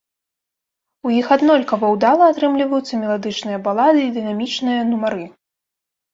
У іх аднолькава ўдала атрымліваюцца меладычныя балады і дынамічныя нумары.